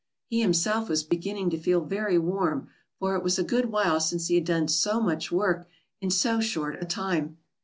He himself was beginning to feel very warm, for it was a good while since he had done so much work in so short a time.